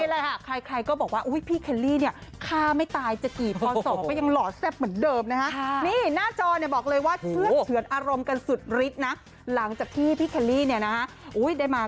นี่แหละใครก็บอกว่าพี่เคลลี่